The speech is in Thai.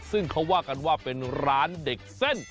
ซึ่งเขาว่ากันว่าเป็นร้านเด็กเส้น